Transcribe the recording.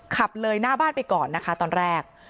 ขับเลยหน้าบ้านไปก่อนนะคะตอนแรก